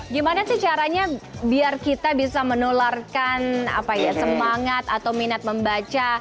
gimana sih caranya biar kita bisa menularkan semangat atau minat membaca